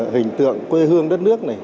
hình tượng quê hương đất nước này